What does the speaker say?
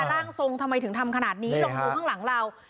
ร่างทรงทำไมถึงทำขนาดนี้ลองดูข้างหลังเรา